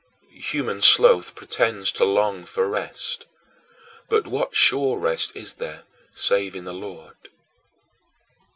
Human sloth pretends to long for rest, but what sure rest is there save in the Lord?